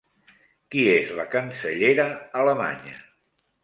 Qui és la cancellera alemanya?